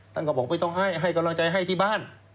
ท่านก็บอกไม่ต้องให้ให้กำลังใจให้ที่บ้าน